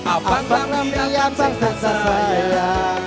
apakah pilihan yang saksa